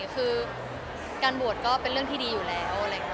คือการบวชก็เป็นเรื่องที่ดีอยู่แล้ว